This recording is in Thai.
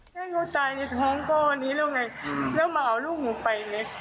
ให้เขาตายในท้องก็วันนี้แล้วไงแล้วมาเอาลูกหนูไปไง